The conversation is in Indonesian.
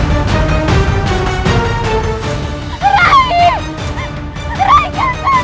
sampai jumpa di video selanjutnya